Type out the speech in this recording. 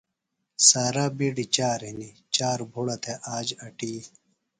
سارا بِیڈیۡ چار ہِنیۡ، چار بُھڑہ تھےۡ آج اٹی